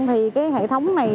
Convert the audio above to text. thì hệ thống này